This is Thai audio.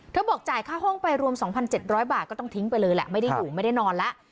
บอกจ่ายค่าห้องไปรวม๒๗๐๐บาทก็ต้องทิ้งไปเลยแหละไม่ได้อยู่ไม่ได้นอนแล้ว